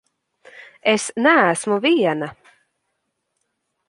Es neesmu viena!